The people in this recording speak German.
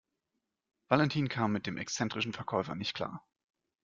Valentin kam mit dem exzentrischen Verkäufer nicht klar.